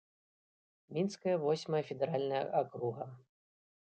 Мінская восьмая федэральная акруга.